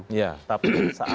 tapi saat dia berkampanye